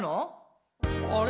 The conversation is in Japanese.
あれ？